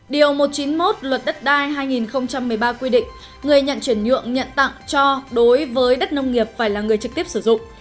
điều một trăm chín mươi một luật đất đai hai nghìn một mươi ba quy định người nhận chuyển nhượng nhận tặng cho đối với đất nông nghiệp phải là người trực tiếp sử dụng